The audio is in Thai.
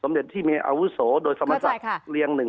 สมเด็จที่มีอาวุโสโดยสมรรณศักดิ์เรียน๑๒๓มาเนี้ย